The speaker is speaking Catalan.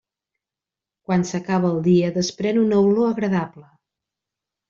Quan s'acaba el dia, desprèn una olor agradable.